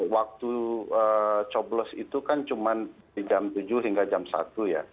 waktu coblos itu kan cuma di jam tujuh hingga jam satu ya